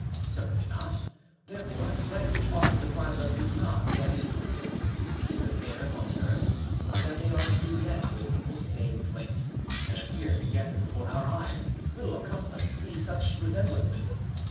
Certainly not; therefore that which ought to surprise us is not that these duplicates exist here and there upon the earth, but that they are to be met with in the same place, and appear together before our eyes, little accustomed to see such resemblances.